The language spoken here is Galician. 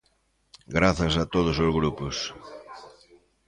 Grazas a todos os grupos.